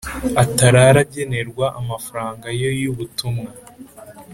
Atarara agenerwa amafaranga yo y ubutumwa